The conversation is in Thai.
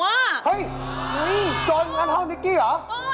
เฮ่ยโจรงั้นห้องนิกกี้เหรอ